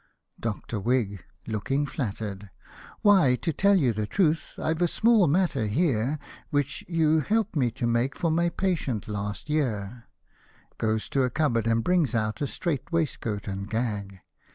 Dr. Whig {looking flattered). — Why, to tell you the truth, I've a small matter here. Which you helped me to make for my patient last year,— S^Goes to a cupboard a?id brings out a strait waistcoat and gag.